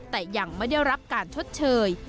แต่ยังไม่ได้รับการชดเชย